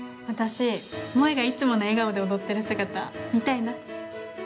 私萌がいつもの笑顔で踊ってる姿見たいな。